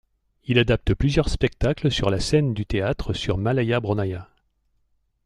Il adapte plusieurs spectacles sur la scène du théâtre sur Malaïa Bronnaïa.